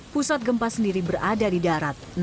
pusat gempa sendiri berada di darat